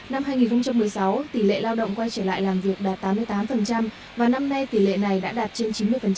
năm hai nghìn một mươi sáu tỷ lệ lao động quay trở lại làm việc đạt tám mươi tám và năm nay tỷ lệ này đã đạt trên chín mươi